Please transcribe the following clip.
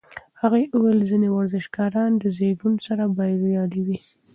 هغې وویل ځینې ورزشکاران د زېږون سره بریالي وي.